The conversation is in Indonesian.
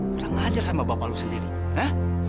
kurang ajar sama bapak lu sendiri hah